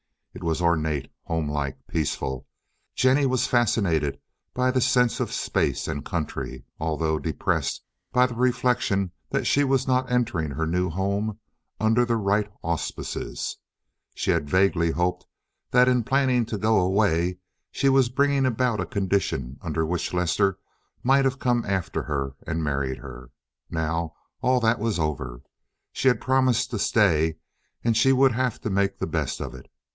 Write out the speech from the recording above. It was ornate, homelike, peaceful. Jennie was fascinated by the sense of space and country, although depressed by the reflection that she was not entering her new home under the right auspices. She had vaguely hoped that in planning to go away she was bringing about a condition under which Lester might have come after her and married her. Now all that was over. She had promised to stay, and she would have to make the best of it.